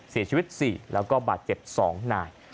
เสียชีวิต๔แล้วก็บาดเจ็บ๒นาย